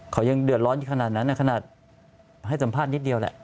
เขายังเดือดร้อนอยู่ขนาดนั้นขนาดให้สัมภาษณ์นิดเดียวแหละ